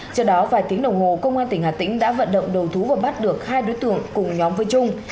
trước đó vài tiếng đồng hồ công an tỉnh hà tĩnh đã vận động đầu thú và bắt được hai đối tượng cùng nhóm với trung